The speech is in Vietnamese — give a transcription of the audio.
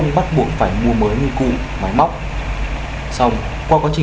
gặp nhiều trở ngại